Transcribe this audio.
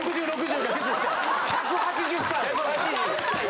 １８０歳。